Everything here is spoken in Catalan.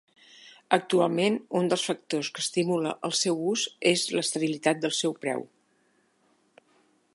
Actualment, un dels factors que estimula el seu ús és l'estabilitat del seu preu.